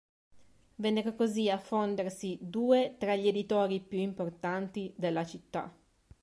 Vennero così a fondersi due tra gli editori più importanti della città.